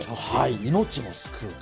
命も救うと。